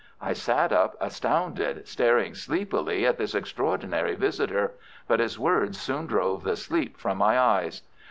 I sat up astounded, staring sleepily at this extraordinary visitor. But his words soon drove the sleep from my eyes.